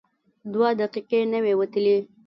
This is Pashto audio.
دوه دقیقې نه وې وتلې.